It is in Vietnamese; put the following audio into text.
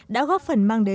đã góp phần mang đến